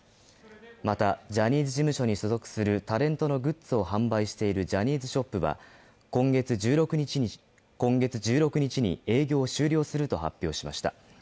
またジャニーズ事務所に所属するタレントのグッズを販売しているジャニーズショップは今月１６日に営業を終了すると発表しました。